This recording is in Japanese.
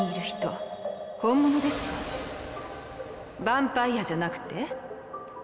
バンパイアじゃなくて？